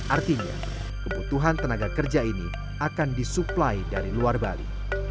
artinya kebutuhan tenaga kerja ini akan disuplai dari luar bali